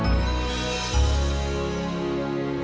udah ah aku masuk kelas dulu ya